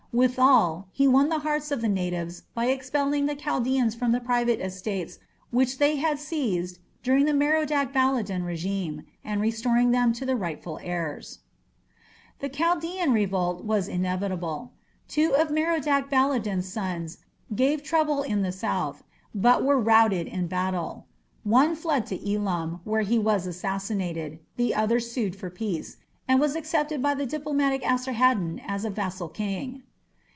Withal, he won the hearts of the natives by expelling Chaldaeans from the private estates which they had seized during the Merodach Baladan regime, and restoring them to the rightful heirs. A Chaldaean revolt was inevitable. Two of Merodach Baladan's sons gave trouble in the south, but were routed in battle. One fled to Elam, where he was assassinated; the other sued for peace, and was accepted by the diplomatic Esarhaddon as a vassal king.